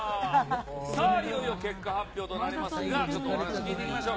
さあ、いよいよ結果発表となりますが、ちょっとお話聞いていきましょう。